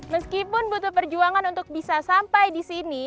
meskipun butuh perjuangan untuk bisa sampai di sini